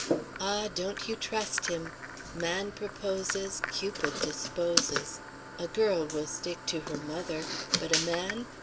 "Ah, don't you trust him! Man proposes, Cupid disposes. A girl will stick to her mother; but a man?